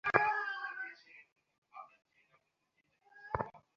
নরওয়ের উত্তর স্যালবার্ড দ্বীপপুঞ্জ ও ডেনমার্কের ফ্যারো দ্বীপপুঞ্জে দেখা যাবে এই পূর্ণগ্রাস।